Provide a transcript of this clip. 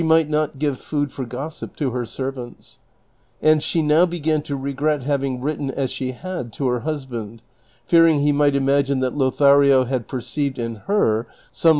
might not give food for gossip to her servants ; and she now began to regret having written as she had to her husband, fearing he might imagine that Lothario had perceived in her some